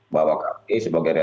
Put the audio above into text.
bahwa kami sebagai realitas